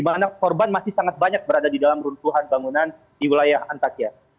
dimana korban masih sangat banyak berada di dalam runtuhan bangunan di wilayah antakya